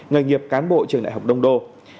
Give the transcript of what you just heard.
người nghiệp cán bộ trường đại học đông đô